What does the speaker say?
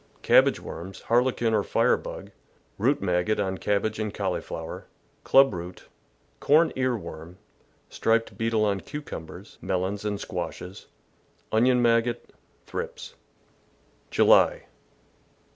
— Cabbage worms, Harlequin or fire bug, root maggot on cabbage and cauliflower, club root, corn ear worm, striped beetle on cucumbers, mel ons, and squashes, onion maggot, thrips. July.